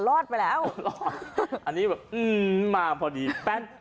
รอดไปแล้วรอดอันนี้แบบอืมมาพอดีแป้น